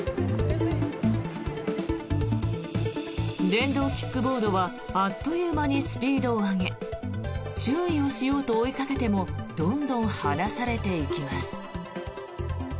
電動キックボードはあっという間にスピードを上げ注意をしようと追いかけてもどんどん離されていきます。